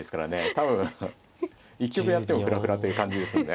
多分１局やってもフラフラという感じですので。